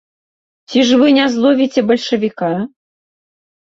Ці ж вы не зловіце бальшавіка?